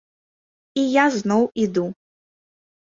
І я зноў іду!